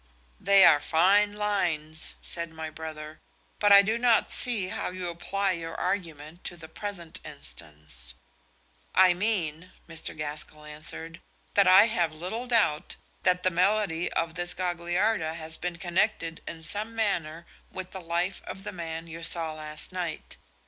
'" "They are fine lines," said my brother, "but I do not see how you apply your argument to the present instance." "I mean," Mr. Gaskell answered, "that I have little doubt that the melody of this Gagliarda has been connected in some manner with the life of the man you saw last night.